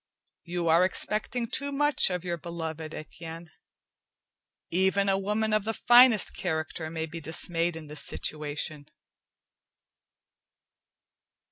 "You are expecting too much of your beloved, Etienne. Even a woman of the finest character may be dismayed in this situation."